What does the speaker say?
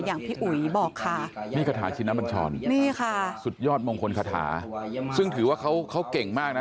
อย่างพี่อุ๋ยบอกค่ะนี่ค่ะสุดยอดมงคลคาถาซึ่งถือว่าเขาเก่งมากนะ